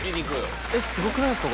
すごくないですか？